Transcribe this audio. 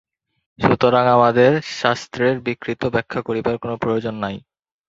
সুতরাং আমাদের শাস্ত্রের বিকৃত ব্যাখ্যা করিবার কোন প্রয়োজন নাই।